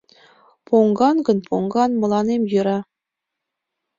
Поҥган гын поҥган, мыланем йӧра.